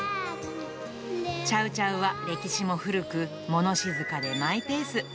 チャウチャウは歴史も古く、物静かでマイペース。